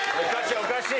おかしい